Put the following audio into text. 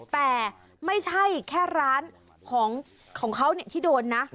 แต่ไม่ใช่แค่ร้านของเขาที่โดนนะ